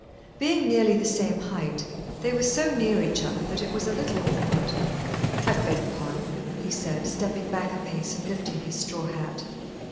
Being nearly the same height, they were so near each other that it was a little awkward. "I beg pardon," he said, stepping back a pace and lifting his straw hat.